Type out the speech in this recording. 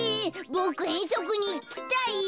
ボクえんそくにいきたいよ。